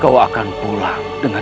kau akan pulang dengan